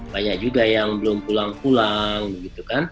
banyak juga yang belum pulang pulang